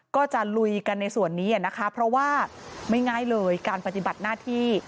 ก็จะลุยกันในส่วนนี้นะคะเพราะว่าไม่ง่ายเลยการปฏิบัติหน้าที่